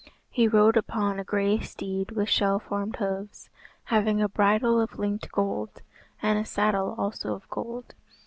He rode upon a grey steed with shell formed hoofs, having a bridle of linked gold, and a saddle also of gold.